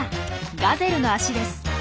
ガゼルの足です。